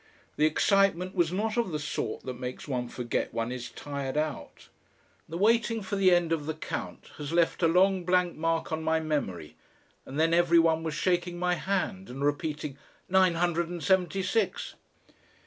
The excitement was not of the sort that makes one forget one is tired out. The waiting for the end of the count has left a long blank mark on my memory, and then everyone was shaking my hand and repeating: "Nine hundred and seventy six."